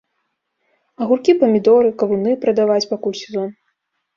Агуркі-памідоры, кавуны прадаваць, пакуль сезон.